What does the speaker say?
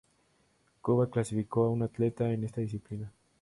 Cuba clasificó a una atleta en esta disciplina.